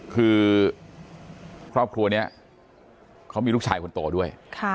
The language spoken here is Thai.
คือครอบครัวนี้เขามีลูกชายคนโตด้วย